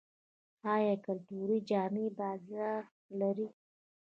آیا کلتوري جامې بازار لري؟